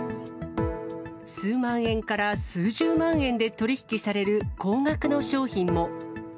数万円から数十万円で取り引きされる高額の商品も。